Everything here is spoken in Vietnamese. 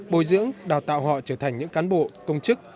bồi dưỡng đào tạo họ trở thành những cán bộ công chức